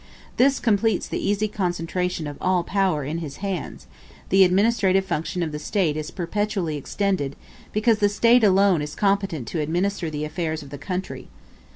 This completes the easy concentration of all power in his hands: the administrative function of the State is perpetually extended, because the State alone is competent to administer the affairs of the country.